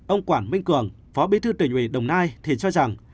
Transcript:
ông quảng minh cường phó bí thư tỉnh ủy đồng nai thì cho rằng